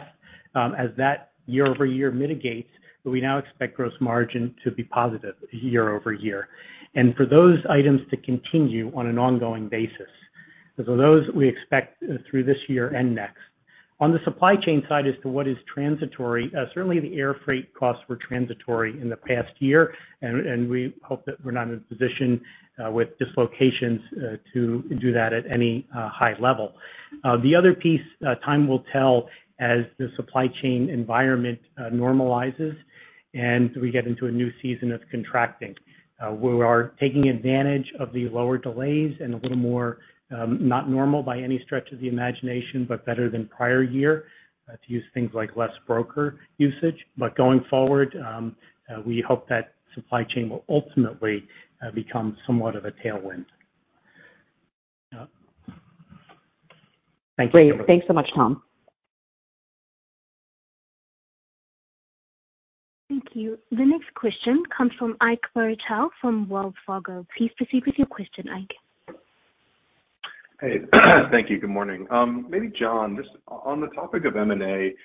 as that year-over-year mitigates, we now expect gross margin to be positive year-over-year, and for those items to continue on an ongoing basis. Those, we expect through this year and next. On the supply chain side as to what is transitory, certainly the air freight costs were transitory in the past year, and we hope that we're not in a position with dislocations to do that at any high level. The other piece, time will tell as the supply chain environment normalizes and we get into a new season of contracting. We are taking advantage of the lower delays and a little more, not normal by any stretch of the imagination, but better than prior year, to use things like less broker usage. Going forward, we hope that supply chain will ultimately become somewhat of a tailwind. Yeah. Thank you. Great. Thanks so much, Tom. Thank you. The next question comes from Ike Boruchow from Wells Fargo. Please proceed with your question, Ike. Hey. Thank you. Good morning. Maybe John, just on the topic of M&A,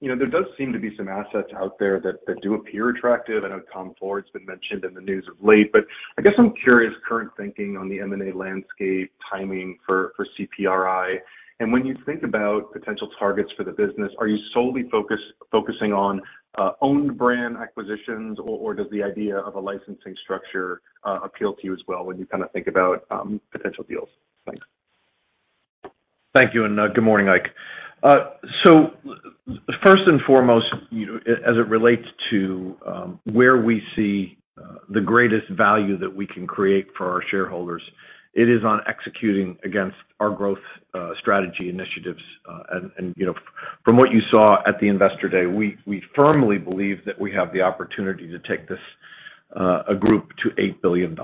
you know, there does seem to be some assets out there that do appear attractive. I know Tom Ford's been mentioned in the news of late. I guess I'm curious, current thinking on the M&A landscape timing for CPRI. When you think about potential targets for the business, are you solely focusing on owned brand acquisitions or does the idea of a licensing structure appeal to you as well when you kinda think about potential deals? Thanks. Thank you, good morning, Ike. First and foremost, you know, as it relates to where we see the greatest value that we can create for our shareholders, it is on executing against our growth strategy initiatives. You know, from what you saw at the Investor Day, we firmly believe that we have the opportunity to take this a group to $8 billion.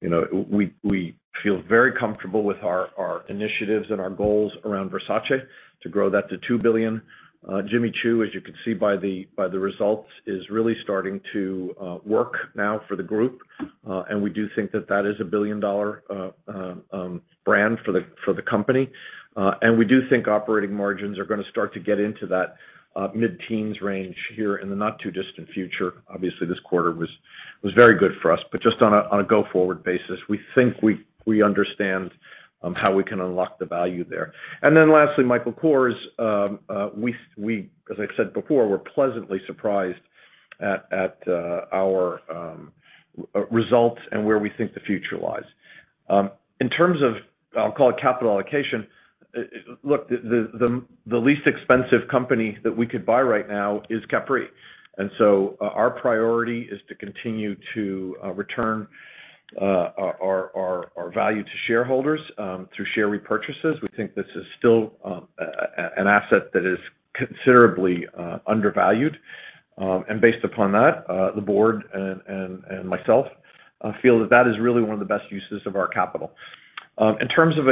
You know, we feel very comfortable with our initiatives and our goals around Versace to grow that to $2 billion. Jimmy Choo, as you can see by the results, is really starting to work now for the group. We do think that that is a billion-dollar brand for the company. We do think operating margins are gonna start to get into that mid-teens range here in the not-too-distant future. Obviously, this quarter was very good for us. Just on a go-forward basis, we think we understand how we can unlock the value there. Then lastly, Michael Kors, as I said before, we're pleasantly surprised at our results and where we think the future lies. In terms of, I'll call it capital allocation, look, the least expensive company that we could buy right now is Capri. Our priority is to continue to return our value to shareholders through share repurchases. We think this is still an asset that is considerably undervalued. Based upon that, the board and myself feel that that is really one of the best uses of our capital. In terms of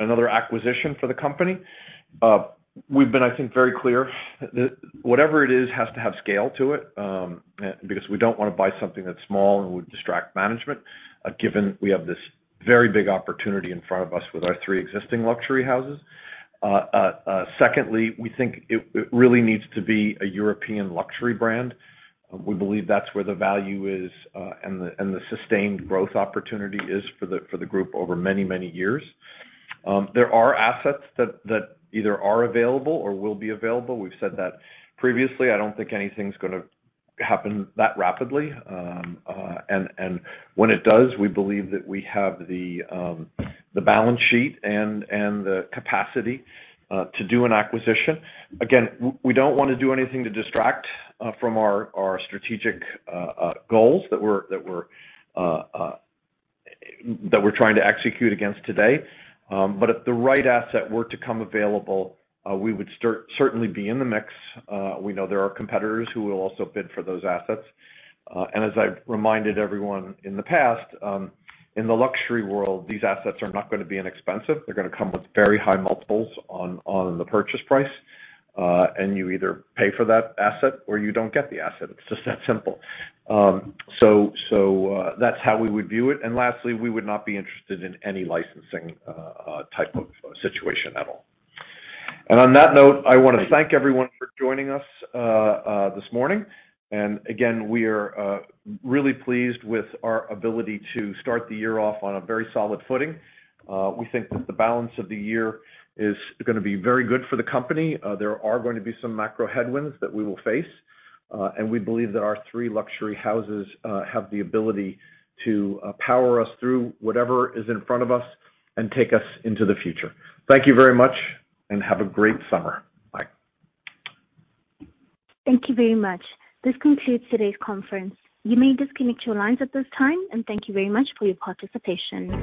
another acquisition for the company, we've been, I think, very clear that whatever it is has to have scale to it, and because we don't wanna buy something that's small and would distract management, given we have this very big opportunity in front of us with our three existing luxury houses. Secondly, we think it really needs to be a European luxury brand. We believe that's where the value is, and the sustained growth opportunity is for the group over many years. There are assets that either are available or will be available. We've said that previously. I don't think anything's gonna happen that rapidly. When it does, we believe that we have the balance sheet and the capacity to do an acquisition. Again, we don't wanna do anything to distract from our strategic goals that we're trying to execute against today. If the right asset were to come available, we would certainly be in the mix. We know there are competitors who will also bid for those assets. As I've reminded everyone in the past, in the luxury world, these assets are not gonna be inexpensive. They're gonna come with very high multiples on the purchase price, and you either pay for that asset or you don't get the asset. It's just that simple. That's how we would view it. Lastly, we would not be interested in any licensing type of situation at all. On that note, I wanna thank everyone for joining us this morning. Again, we are really pleased with our ability to start the year off on a very solid footing. We think that the balance of the year is gonna be very good for the company. There are going to be some macro headwinds that we will face, and we believe that our three luxury houses have the ability to power us through whatever is in front of us and take us into the future. Thank you very much, and have a great summer. Bye. Thank you very much. This concludes today's conference. You may disconnect your lines at this time, and thank you very much for your participation.